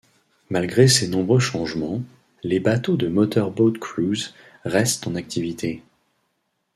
Malgré ces nombreux changements, les bateaux de Motor Boat Cruise restent en activité.